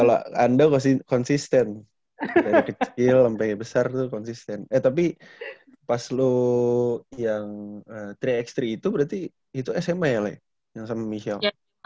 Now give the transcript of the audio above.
kalau anda pasti konsisten dari kecil sampai besar itu konsisten eh tapi pas lo yang tiga x tiga itu berarti itu sma ya le yang sama michelle